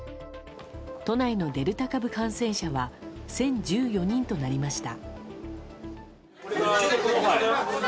都内のデルタ株感染者は１０１４人となりました。